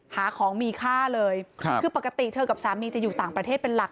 หาของมีค่าเลยคือปกติเธอกับสามีจะอยู่ต่างประเทศเป็นหลัก